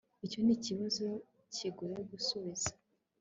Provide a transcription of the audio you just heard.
Icyo nikibazo kigoye gusubiza